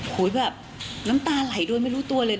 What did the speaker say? แบบน้ำตาไหลโดยไม่รู้ตัวเลย